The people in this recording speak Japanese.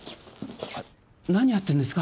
何やってんですか？